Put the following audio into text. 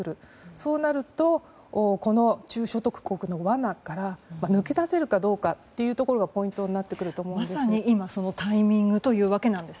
そうなるとこの中所得国の罠から抜け出せるかどうかというところがポイントになってくると思うんです。